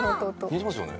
似てますよね？